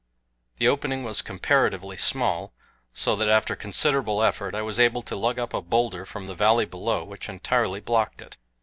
The opening was comparatively small, so that after considerable effort I was able to lug up a bowlder from the valley below which entirely blocked it.